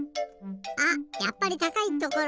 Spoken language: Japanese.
あっやっぱりたかいところ！